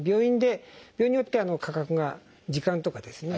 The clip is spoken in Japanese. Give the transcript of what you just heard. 病院によって価格が時間とかですね